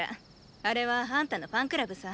あれはあんたのファンクラブさ。